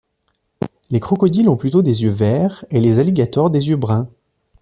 Les crocodiles ont plutôt des yeux verts et les alligators des yeux bruns.